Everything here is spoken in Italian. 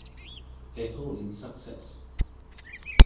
A Howling Success